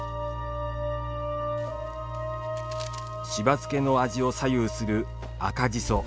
しば漬けの味を左右する赤じそ。